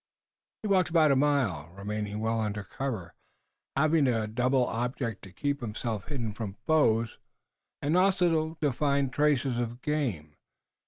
He walked about a mile, remaining well under cover, having a double object, to keep himself hidden from foes and also to find traces of game.